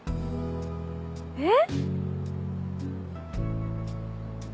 えっ？